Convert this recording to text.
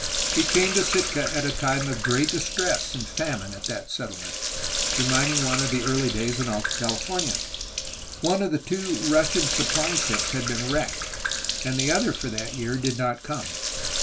He came to Sitka at a time of great distress and famine at that settle ment,— reminding one of early days in Alta California. One of the two Russian supply ships had been wrecked, and the other for that year did not come.